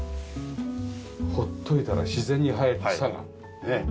放っておいたら自然に生える草がねえ。